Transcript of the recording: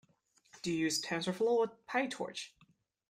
Do you use Tensorflow or Pytorch?